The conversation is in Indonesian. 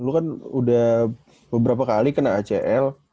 lu kan udah beberapa kali kena acl